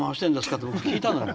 って僕聞いたのよ。